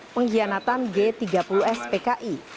pengkhianatan g tiga puluh s pki